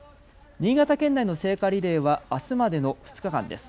新潟県内の聖火リレーはあすまでの２日間です。